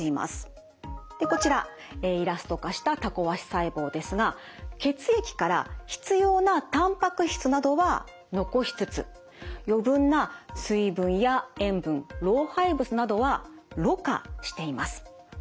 でこちらイラスト化したタコ足細胞ですが血液から必要なたんぱく質などは残しつつ余分な水分や塩分老廃物などはろ過しています。